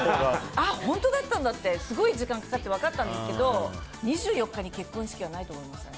あっ、本当だったんだってすごい時間をかけて分かったんですけど２４日に結婚式はないと思いましたね。